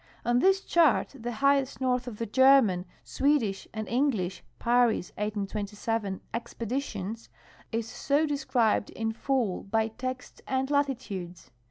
On this chart the highest north of the German, Swedish, and Plnglish (Parry's, 1827) ex ])editions is so described in full lyv text and latitudes.